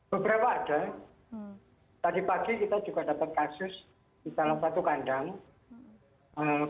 beberapa ada tadi pagi kita juga dapat kasus di salah satu kandang